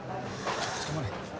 ちょっとつかまれ。